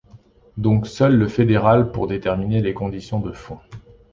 Donc seul le fédéral pour déterminer les conditions de fond.